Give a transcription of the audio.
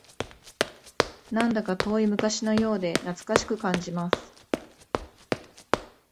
なんだか遠い昔のようで懐かしく感じます